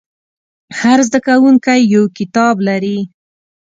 هر زده کوونکی یو کتاب لري.